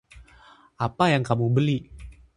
Apa yang kamu beli?